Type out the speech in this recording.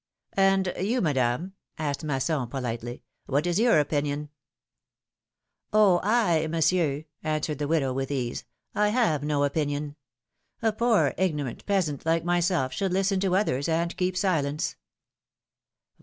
And you, Madame," asked Masson, politely, what is your opinion ?" Oh ! I, Monsieur," answered the widow, with ease, I have no opinion. A poor, ignorant peasant like myself should listen to others and keep silence